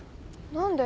何で？